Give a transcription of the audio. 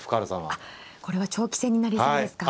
あっこれは長期戦になりそうですか。